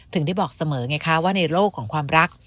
ถึงได้บอกเสมอไงคะว่าในโลกของความรัก